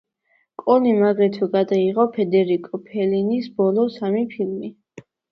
კოლიმ აგრეთვე გადაიღო ფედერიკო ფელინის ბოლო სამი ფილმი.